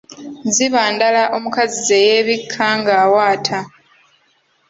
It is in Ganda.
Ziba ndala omukazi ze yeebikka ng'awaata.